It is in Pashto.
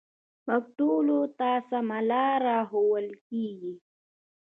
موږ ټولو ته سمه لاره راښوول کېږي